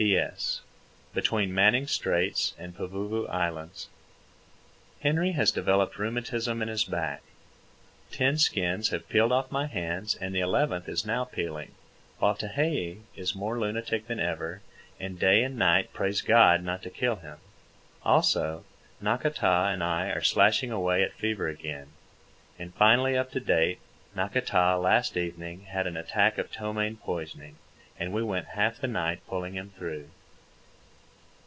P.S. Between Manning Straits and Pavuvu Islands. Henry has developed rheumatism in his back, ten skins have peeled off my hands and the eleventh is now peeling, while Tehei is more lunatic than ever and day and night prays God not to kill him. Also, Nakata and I are slashing away at fever again. And finally up to date, Nakata last evening had an attack of ptomaine poisoning, and we spent half the night pulling him through.